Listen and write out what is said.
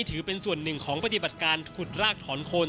ถือเป็นส่วนหนึ่งของปฏิบัติการขุดรากถอนคน